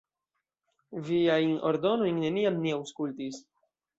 Viajn ordonojn neniam ni aŭskultis.